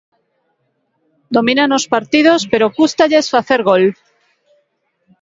Dominan os partidos pero cústalles facer gol.